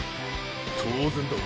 当然だ。